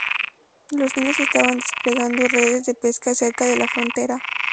Los niños estaban desplegando redes de pesca cerca de la frontera.